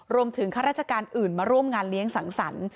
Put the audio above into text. ข้าราชการอื่นมาร่วมงานเลี้ยงสังสรรค์